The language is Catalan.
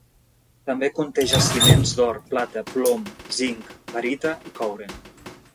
També conté jaciments d'or, plata, plom, zinc, barita i coure.